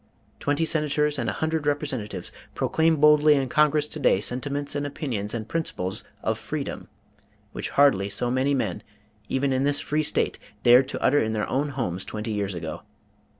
Twenty senators and a hundred representatives proclaim boldly in Congress to day sentiments and opinions and principles of freedom which hardly so many men, even in this free State, dared to utter in their own homes twenty years ago.